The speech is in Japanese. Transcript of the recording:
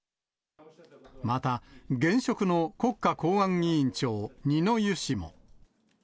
また、現職の国家公安委員長、二之湯氏も。